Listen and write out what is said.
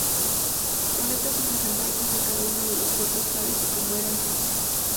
Relata sus desembarcos en cada uno de los puertos tal y como eran entonces.